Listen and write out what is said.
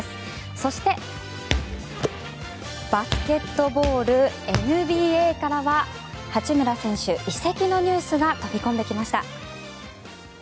そして、バスケットボールＮＢＡからは八村選手移籍のニュースが飛び込んできました。